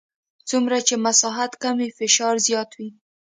څومره چې مساحت کم وي فشار زیات وي.